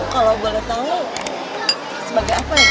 kalo boleh tau sebagai apa ya